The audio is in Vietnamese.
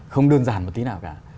không đơn giản một tí nào cả